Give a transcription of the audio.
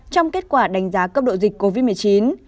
trong kết quả đánh giá cấp độ dịch covid một mươi chín